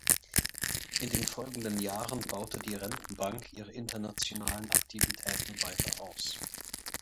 In den folgenden Jahren baute die Rentenbank ihre internationalen Aktivitäten weiter aus.